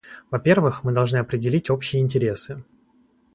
Во-первых, мы должны определить общие интересы.